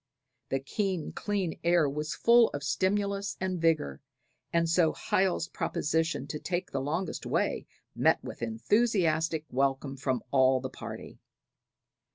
The keen clear air was full of stimulus and vigor; and so Hiel's proposition to take the longest way met with enthusiastic welcome from all the party.